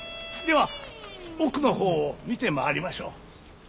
では奥の方を見てまいりましょう。